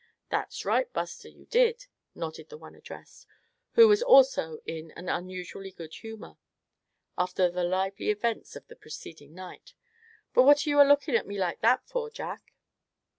"That's right, Buster, so you did," nodded the one addressed, who was also in an unusually good humor, after the lively events of the preceding night. "But what are you alookin' at me like that for, Jack?"